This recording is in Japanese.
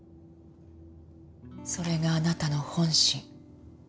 それがあなたの本心。